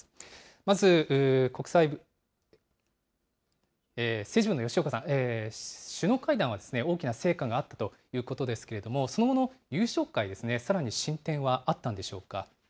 まず政治部の吉岡さん、首脳会談は大きな成果があったということですけれども、その後の夕食会ですね、さらに進展はあったんでしょうか。